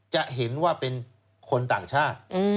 จะเห็นว่าเป็นคนต่างชาติ